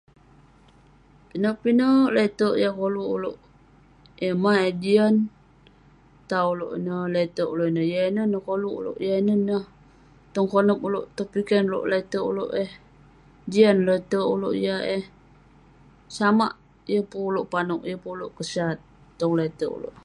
pinek pinek le'terk yah koluk ulouk yah meh eh jian tan ulouk ineh, le'terk ulouk ineh ,yah inen koluk ulouk ,yah inen neh tong konep ulouk tong piken ulouk le'terk ulouk eh jian le'terk ulouk yah eh samak, yeng pun ulouk panouk yeng pun ulouk kesat tong le'terk ulouk